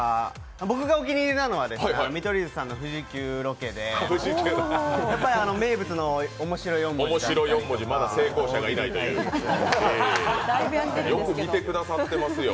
僕がお気に入りなのは、見取り図さんの富士急ロケで、やっぱり名物のおもしろ４文字とかまだ成功者がいないという、よく見てくださっていますよ。